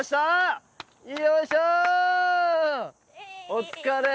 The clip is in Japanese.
お疲れ！